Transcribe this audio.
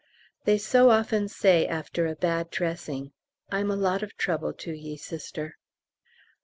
They so often say after a bad dressing, "I'm a lot of trouble to ye, Sister."